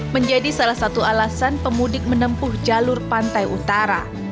menjadi salah satu alasan pemudik menempuh jalur pantai utara